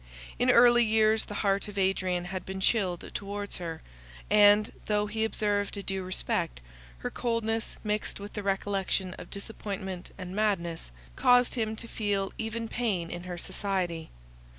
In early years the heart of Adrian had been chilled towards her; and, though he observed a due respect, her coldness, mixed with the recollection of disappointment and madness, caused him to feel even pain in her society.